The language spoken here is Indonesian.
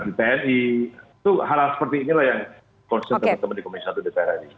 konsentrasi kementerian komunis satu dpr